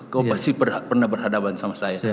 kau pasti pernah berhadapan sama saya